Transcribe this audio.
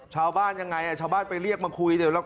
ชาวบ้านยังไงชาวบ้านไปเรียกมาคุยเดี๋ยว